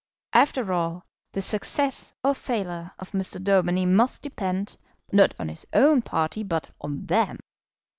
After all, the success or failure of Mr. Daubeny must depend, not on his own party, but on them.